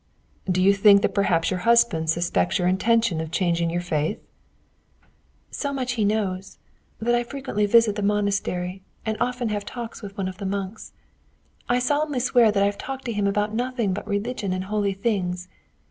"Do you think that perhaps your husband suspects your intention of changing your faith?" "So much he knows, that I frequently visit the monastery, and often have talks with one of the monks. I solemnly swear that I've talked to him about nothing but religion and holy things.